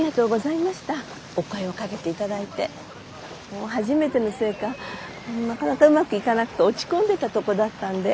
もう初めてのせいかなかなかうまくいかなくて落ち込んでたとこだったんで。